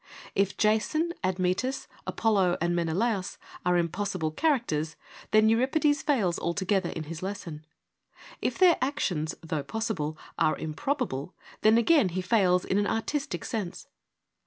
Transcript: If Jason, Admetus, Apollo and Menelaus are impossible characters, then Euripides fails altogether in his lesson : if their actions, though possible, are improbable, then again he fails in an artistic sense.